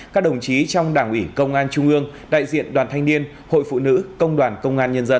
các đồng chí trong đảng ủy công an trung ương đại diện đoàn thanh niên hội phụ nữ công đoàn công an nhân dân